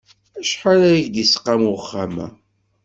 Acḥal ara k-d-isqam uxxam-a?